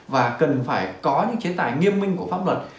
và cần phải có những chế tài nghiêm minh của pháp luật